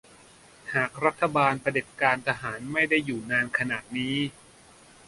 หากรัฐบาลเผด็จการทหารไม่ได้อยู่นานขนาดนี้